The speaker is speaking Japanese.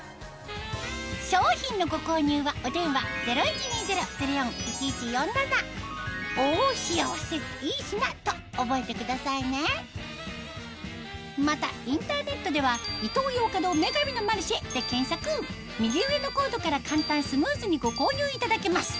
商品のご購入はお電話０１２０−０４−１１４７と覚えてくださいねまたインターネットでは右上のコードから簡単スムーズにご購入いただけます